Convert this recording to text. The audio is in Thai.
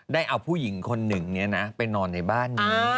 ได้เอาผู้หญิงคนนึงเนี่ยนะไปนอนในบ้านนี้